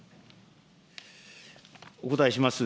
お答えします。